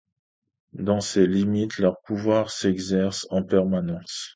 Dans ces limites, leurs pouvoirs s'exercent en permanence.